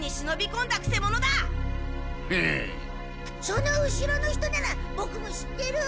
その後ろの人ならボクも知ってる。